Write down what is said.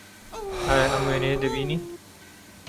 ئایا ئەم وێنەیە دەبینی؟